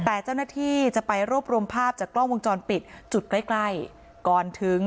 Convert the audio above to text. แต่เจ้าหน้าที่จะไปรวบรวมภาพจากกล้องวงจรปิดจุดใกล้ใกล้ก่อนถึง